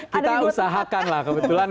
kita usahakan lah kebetulan